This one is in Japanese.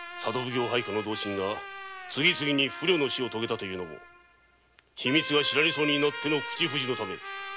奉行配下の同心が次々に不慮の死を遂げたというのも秘密が知られそうになっての口封じのため。